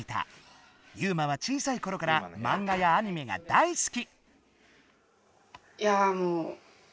ユウマは小さいころからマンガやアニメが大好き！